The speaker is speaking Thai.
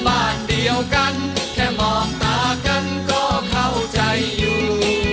บ้านเดียวกันแค่มองตากันก็เข้าใจอยู่